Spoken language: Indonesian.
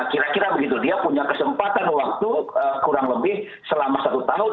kira kira begitu dia punya kesempatan waktu kurang lebih selama satu tahun